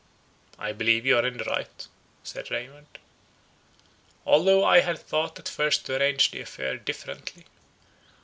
"I believe you are in the right," said Raymond; "although I had thought at first to arrange the affair differently.